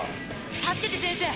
「助けて先生」